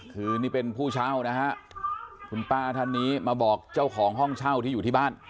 คือนี้เป็นผู้เช่าน่ะฮะคุณพาทานินะมาบอกเจ้าของห้องเช่าที่อยู่